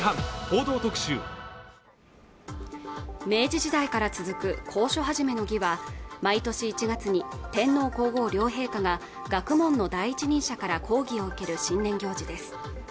明治時代から続く講書始の儀は毎年１月に天皇皇后両陛下が学問の第一人者から講義を受ける新年行事です